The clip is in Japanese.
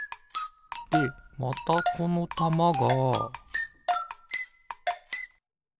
でまたこのたまがピッ！